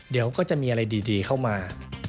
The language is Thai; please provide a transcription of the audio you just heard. เดี๋ยวก็จะมีอะไรดีเข้ามา